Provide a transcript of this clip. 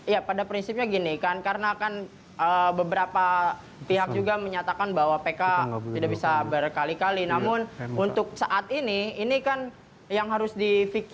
ya pada prinsipnya gini kan karena kan beberapa pihak juga menyatakan bahwa pk tidak bisa berkali kali namun untuk saat ini ini kan yang harus dipikirkan